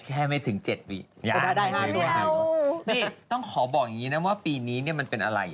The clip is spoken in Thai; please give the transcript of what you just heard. แค่ไม่ถึง๗วีอย่าด้วยกว่านี่ต้องขอบอกอย่างนี้นะว่าปีนี้มันเป็นอะไร